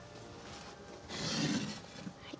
はい。